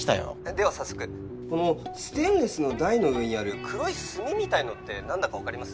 では早速このステンレスの台の上にある黒い炭みたいのって何だか分かります？